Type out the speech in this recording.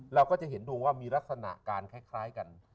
เราก็จะเห็นดวงว่ามีลักษณะการคล้ายกัน